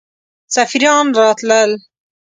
سفیران راتلل.